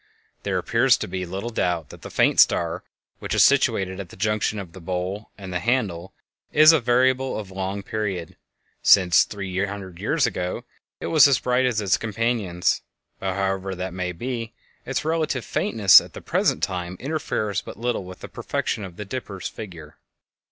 There appears to be little doubt that the faint star, which is situated at the junction of the bowl and the handle, is a variable of long period, since three hundred years ago it was as bright as its companions. But however that may be, its relative faintness at the present time interferes but little with the perfection of the "Dipper's" figure.